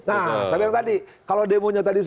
nah seperti yang tadi kalau demonya tadi